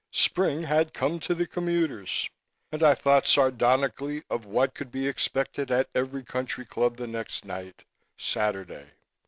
Spring had come to the commuters and I thought sardonically of what could be expected at every country club the next night Saturday.